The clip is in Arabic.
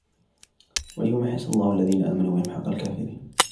وَلِيُمَحِّصَ اللَّهُ الَّذِينَ آمَنُوا وَيَمْحَقَ الْكَافِرِينَ